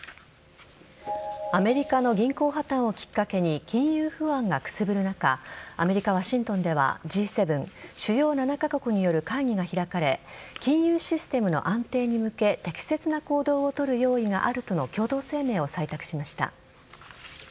アメリカの銀行破綻をきっかけに金融不安がくすぶる中アメリカ・ワシントンではＧ７＝主要７カ国による会議が開かれ金融システムの安定に向け適切な行動を取る用意があるとの共同声明を採択しました。